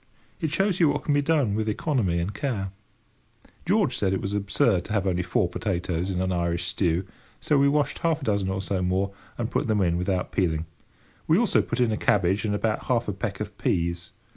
It shows you what can be done with economy and care. George said it was absurd to have only four potatoes in an Irish stew, so we washed half a dozen or so more, and put them in without peeling. We also put in a cabbage and about half a peck of peas.